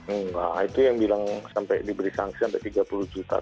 enggak itu yang bilang sampai diberi sanksi sampai tiga puluh juta